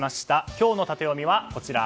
今日のタテヨミはこちら。